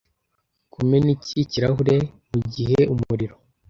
Kumena iki kirahure mugihe umuriro.